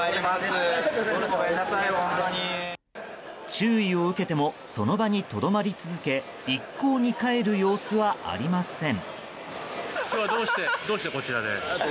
注意を受けてもその場にとどまり続け一向に帰る様子はありません。